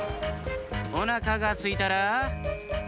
おなかがすいたら。